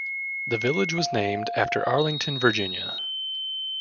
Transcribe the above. The village was named after Arlington, Virginia.